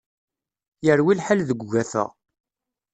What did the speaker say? Yerwi lḥal deg ugafa.